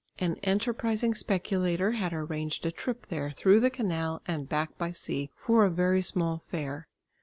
An enterprising speculator had arranged a trip there through the canal and back by sea for a very small fare.